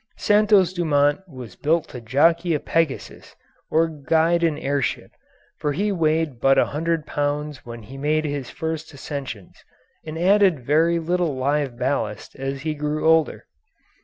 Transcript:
Santos Dumont was built to jockey a Pegasus or guide an air ship, for he weighed but a hundred pounds when he made his first ascensions, and added very little live ballast as he grew older.